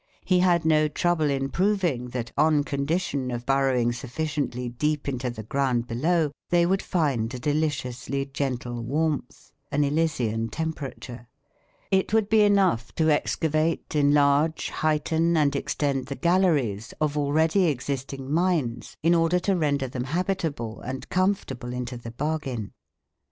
He had no trouble in proving that, on condition of burrowing sufficiently deep into the ground below, they would find a deliciously gentle warmth, an Elysian temperature. It would be enough to excavate, enlarge, heighten, and extend the galleries of already existing mines in order to render them habitable and comfortable into the bargain.